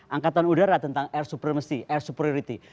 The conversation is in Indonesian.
angkatan udara tentang air supremacy air superiority